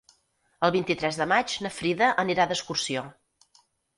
El vint-i-tres de maig na Frida anirà d'excursió.